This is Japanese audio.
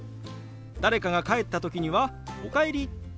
誰かが帰った時には「おかえり」。